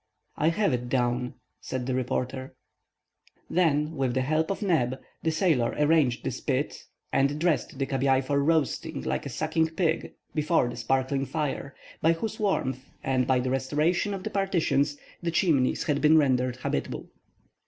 "I have it down," said the reporter. Then, with the help of Neb, the sailor arranged the spit, and dressed the cabiai for roasting, like a suckling pig, before the sparkling fire, by whose warmth, and by the restoration of the partitions, the Chimneys had been rendered habitable.